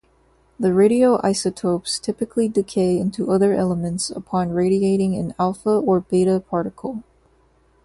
The radioisotopes typically decay into other elements upon radiating an alpha or beta particle.